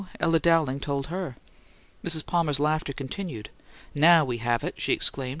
Ella Dowling told her." Mrs. Palmer's laughter continued. "Now we have it!" she exclaimed.